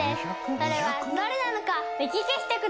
それはどれなのか目利きしてください。